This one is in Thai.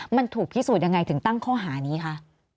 มันถูกพิสูจน์ยังไงถึงตั้งข้อหานี้คะ